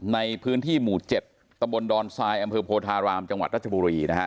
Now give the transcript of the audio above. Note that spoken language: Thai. ในพื้นที่หมู่๗ตำบลดอนทรายอำเภอโพธารามจังหวัดรัชบุรีนะฮะ